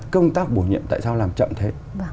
công tác bổ nhiệm tại sao làm chậm thế